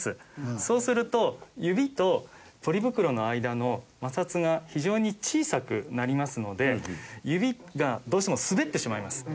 そうすると指とポリ袋の間の摩擦が非常に小さくなりますので指がどうしても滑ってしまいます。